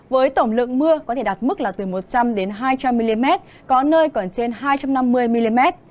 với tổng lượng mưa có thể đạt mức là từ một trăm linh hai trăm linh mm có nơi còn trên hai trăm năm mươi mm